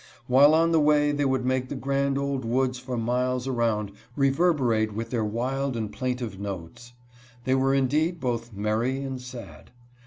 While on the way they would make the grand old woods for miles around reverberate with their wild and plain tive notes. They were indeed both merry and sad.